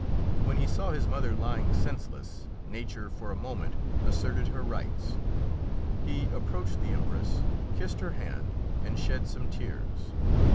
When he saw his mother lying senseless, nature for a moment asserted her rights; he approached the Empress, kissed her hand, and shed some tears.